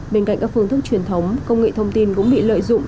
bên cạnh các phương thức truyền thống công nghệ thông tin cũng bị lợi dụng